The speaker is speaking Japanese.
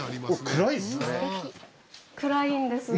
暗いんです。